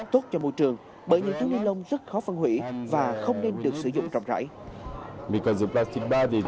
tốt cho môi trường bởi những túi ni lông rất khó phân hủy và không nên được sử dụng trọng rãi